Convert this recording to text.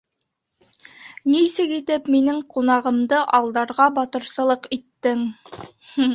Нисек итеп минең ҡунағымды алдарға батырсылыҡ иттең!